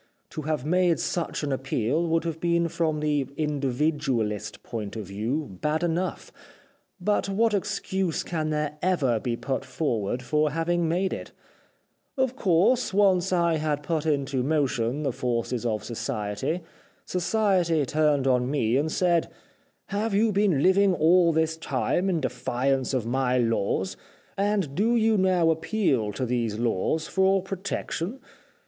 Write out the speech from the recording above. To have made such an appeal would have been from the individualist point of view bad enough, but what excuse can there ever be put forward for having made it ? Of course, once I had put into motion the forces of society, society turned on me and said, * Have you been Uving all this time in defiance of my laws, and do you now appeal to these laws, for protection